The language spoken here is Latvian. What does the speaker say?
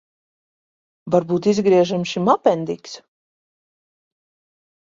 Varbūt izgriežam šim apendiksu?